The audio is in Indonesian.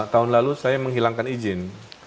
tahun lalu saya menghilangkan izin